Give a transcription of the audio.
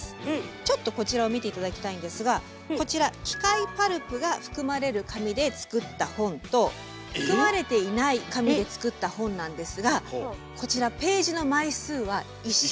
ちょっとこちらを見て頂きたいんですがこちら機械パルプが含まれる紙で作った本と含まれていない紙で作った本なんですがこちらページの枚数は一緒なんです。